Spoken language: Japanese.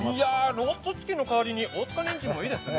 ローストチキンの代わりに大塚にんじんもいいですね。